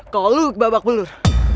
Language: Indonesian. kalo lo kebabak bulur